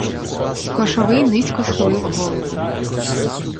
Кошовий низько схилив голову.